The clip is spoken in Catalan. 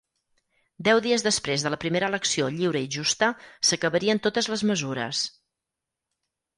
Deu dies després de la primera elecció lliure i justa, s'acabarien totes les mesures.